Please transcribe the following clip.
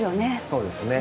そうですね。